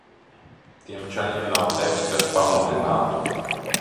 Tiem čaļiem nav tevis, kas pamudinātu.